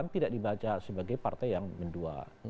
tidak dibaca sebagai partai yang mendua